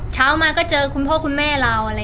เช้ามาก็เจอคุณพ่อคุณแม่เรา